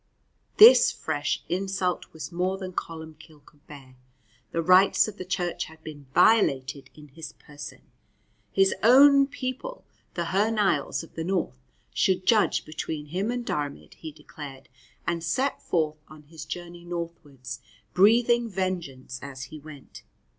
This fresh insult was more than Columbcille could bear. The rights of the Church had been violated in his person. His own people, the Hy Nialls of the north, should judge between him and Diarmaid, he declared, and set forth on his journey northwards, breathing vengeance as he went.